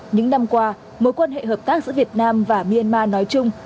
những năm qua mối quan hệ hợp tác giữa việt nam và myanmar nói chung